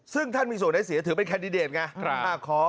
ซึ่งท่านมีส่วนได้เสียถือเป็นแคนดิเดตไง